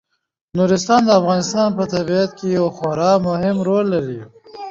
نورستان د افغانستان په طبیعت کې یو خورا مهم رول لري.